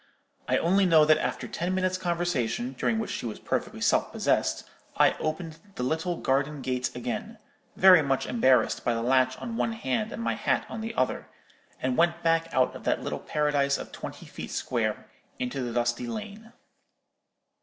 I only know that after ten minutes' conversation, during which she was perfectly self possessed, I opened the little garden gate again, very much embarrassed by the latch on one hand, and my hat on the other, and went back out of that little paradise of twenty feet square into the dusty lane.